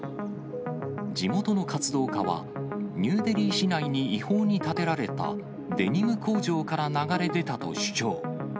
地元の活動家は、ニューデリー市内に違法に建てられたデニム工場から流れ出たと主張。